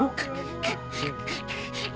aku yang jadi kasar